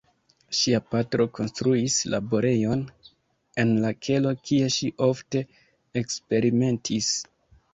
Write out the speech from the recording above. Ŝia patro konstruis laborejon en la kelo kie ŝi ofte eksperimentis.